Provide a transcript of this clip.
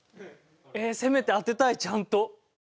えーせめて当てたいちゃんと。